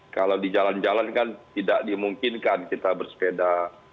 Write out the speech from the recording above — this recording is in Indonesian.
kalau di jalan jalan kan tidak dimungkinkan kita bersepeda